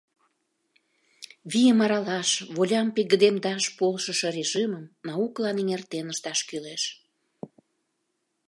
Вийым аралаш, волям пеҥгыдемдаш полшышо режимым наукылан эҥертен ышташ кӱлеш.